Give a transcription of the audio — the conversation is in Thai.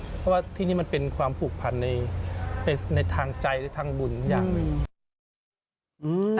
เพราะว่าที่นี่มันเป็นความผูกพันในทางใจหรือทางบุญอย่างหนึ่ง